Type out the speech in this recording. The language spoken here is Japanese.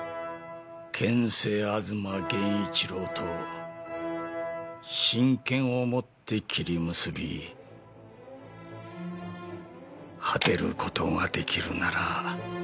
剣聖吾妻源一郎と真剣をもって切り結び果てる事ができるなら。